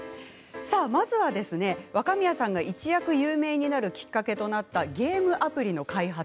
まずは若宮さんが一躍有名になるきっかけとなったゲームアプリの開発。